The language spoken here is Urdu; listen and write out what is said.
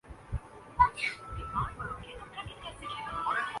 میری خیال سے آپ کی آنکھیں بہت خوب ہوتی ہیں.